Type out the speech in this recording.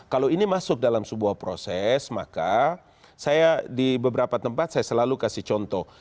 kalau ini masuk dalam sebuah proses maka saya di beberapa tempat saya selalu kasih contoh